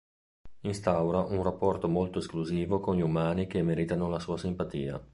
Instaura un rapporto molto esclusivo con gli umani che meritano la sua simpatia.